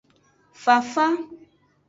Fafa.